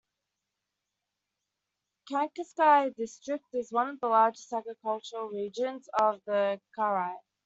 Khankaysky District is one of the largest agricultural regions of the krai.